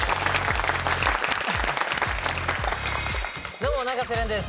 どうも永瀬廉です。